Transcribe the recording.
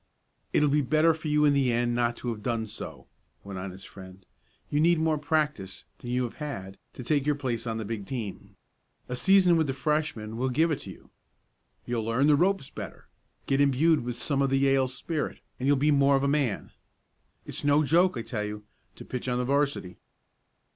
"It'll be better for you in the end not to have done so," went on his friend. "You need more practice, than you have had, to take your place on the big team. A season with the Freshmen will give it to you. You'll learn the ropes better get imbued with some of the Yale spirit, and you'll be more of a man. It's no joke, I tell you, to pitch on the 'varsity."